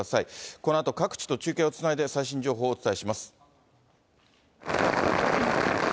このあと、各地と中継をつないで、最新情報をお伝えします。